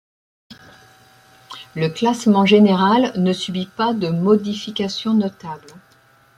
Le classement général ne subit pas de modification notable.